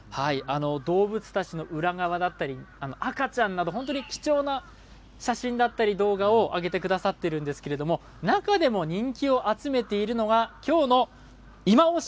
動物たちの裏側だったり赤ちゃんなど本当に貴重な写真だったり動画あげてくださっているんですけれど中でも人気を集めているのが今日のいまオシ！